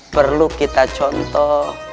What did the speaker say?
perlu kita contoh